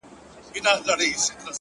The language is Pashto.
خپه په دې يم چي زه مرمه او پاتيږي ژوند!